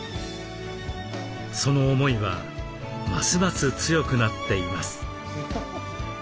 その思いはますます強くなっています。